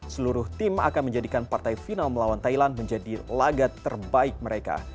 seluruh tim akan menjadikan partai final melawan thailand menjadi laga terbaik mereka